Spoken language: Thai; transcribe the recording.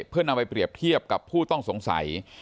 เพื่อนำไปเปรียบเทียบกับผู้ต้องสงสัย